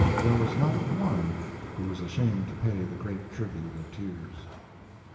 There was not one who was ashamed to pay the great tribute of tears.